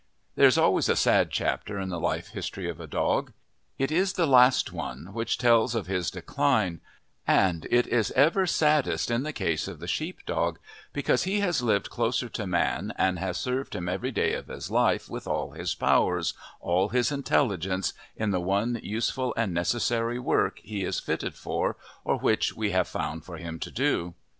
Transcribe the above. There is always a sad chapter in the life history of a dog; it is the last one, which tells of his decline; and it is ever saddest in the case of the sheep dog, because he has lived closer to man and has served him every day of his life with all his powers, all his intelligence, in the one useful and necessary work he is fitted for or which we have found for him to do.